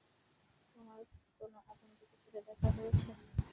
তোমার কোন আগন্তুকের সাথে দেখা হয়েছে?